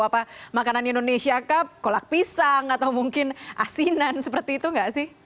apa makanan indonesia kap kolak pisang atau mungkin asinan seperti itu nggak sih